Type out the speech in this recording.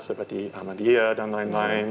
seperti ahmadiyah dan lain lain